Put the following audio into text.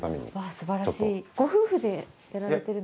すばらしい。